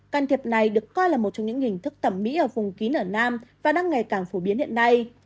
can thiệp này được coi là một trong những hình thức thẩm mỹ ở vùng kín ở nam và đang ngày càng phổ biến hiện nay